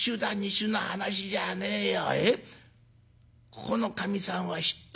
ここのかみさんは知ってるね。